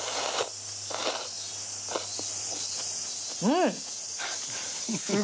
うん。